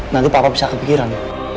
nanti papa bisa kepikiran